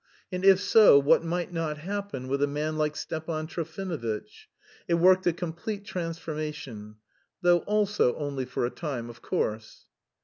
And if so, what might not happen with a man like Stepan Trofimovitch? It worked a complete transformation though also only for a time, of course.